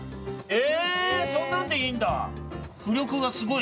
そんなんでいいんだ。